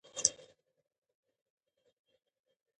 رابرټ ایزنبرګ وايي، هغه یو عادي سړی و چې ناڅاپه سفر پیل کړ.